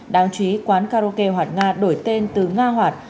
đáng chú ý quán karaoke hoạt nga đổi tên từ nga hoạt